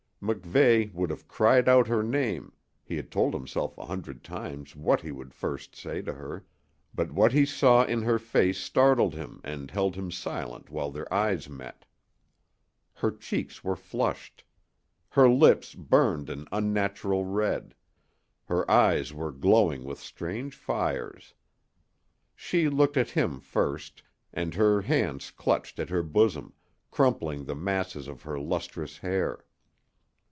MacVeigh would have cried out her name he had told himself a hundred times what he would first say to her but what he saw in her face startled him and held him silent while their eyes met. Her cheeks were flushed. Her lips burned an unnatural red. Her eyes were glowing with strange fires. She looked at him first, and her hands clutched at her bosom, crumpling the masses of her lustrous hair.